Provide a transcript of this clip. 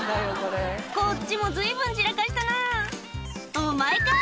こっちも随分散らかしたなお前か！